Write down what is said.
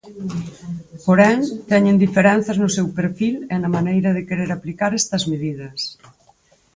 Porén, teñen diferenzas no seu perfil e na maneira de querer aplicar estas medidas.